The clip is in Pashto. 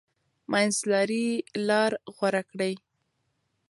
منځلاري لار غوره کړئ.